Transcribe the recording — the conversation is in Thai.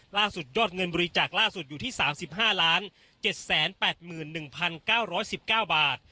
ล่าสุดยอดเงินบริจาคล่าสุดอยู่ที่๓๕๗๘๑๙๑๙บาท